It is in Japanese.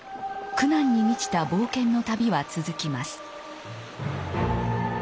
苦難に満ちた冒険の旅は続きます。